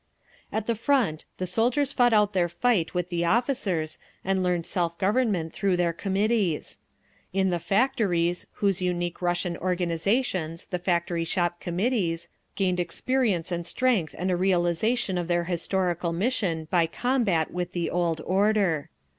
At the Front the soldiers fought out their fight with the officers, and learned self government through their committees. In the factories those unique Russian organisations, the Factory Shop Committees, gained experience and strength and a realisation of their historical mission by combat with the old order.